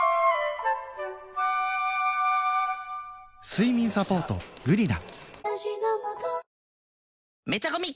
睡眠サポート「グリナ」